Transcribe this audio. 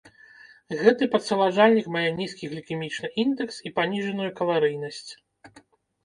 Гэты падсаладжальнік мае нізкі глікемічны індэкс і паніжаную каларыйнасць.